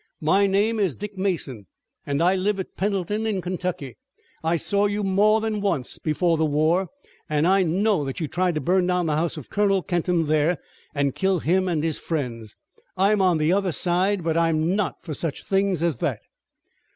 "My name is Dick Mason, and I live at Pendleton in Kentucky. I saw you more than once before the war, and I know that you tried to burn down the house of Colonel Kenton there, and kill him and his friends. I'm on the other side, but I'm not for such things as that."